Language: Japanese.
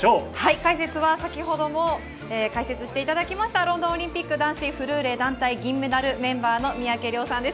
解説は、先ほども解説したりいただきましたロンドンオリンピック男子フルーレ団体銀メダルメンバーの三宅亮さんです。